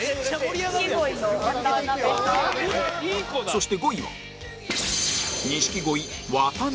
そして５位は